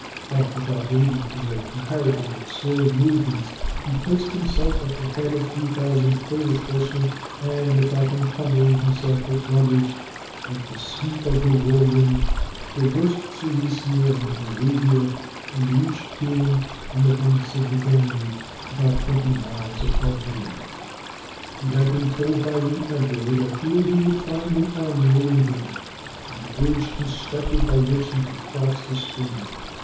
But, without waiting for their comparatively slow movements, he placed himself at the head of three thou sand Polish horsemen, and, without encumbering him self with luggage, like the sweep of the whirlwind traversed Silesia and Moravia, and reached Tulen, on the banks of the Danube, about twenty miles above Vienna. He had been told by the Emperor that here he would find an army awaiting him, and a bridge con structed by which he could cross the stream.